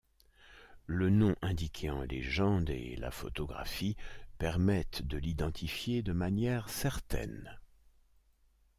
Le nom indiqué en légende et la photographie permettent de l'identifier de manière certaine.